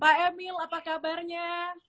pak emil apa kabarnya